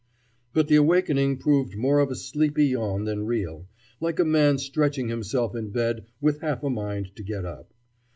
But the awakening proved more of a sleepy yawn than real like a man stretching himself in bed with half a mind to get up.